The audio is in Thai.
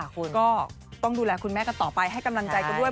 ก็ต้องดูแลคุณแม่กันต่อไปให้กำลังใจกันด้วย